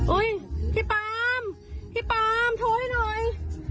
อุ๊ยพี่ป๊ามพี่ป๊ามโทรให้หน่อย